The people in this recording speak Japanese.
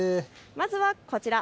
まずはこちら。